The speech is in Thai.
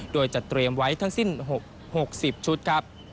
โดยจะเตรียมไว้ทั้งสิ้น๖๐ชุดครับ